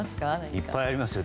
いっぱいありますよ。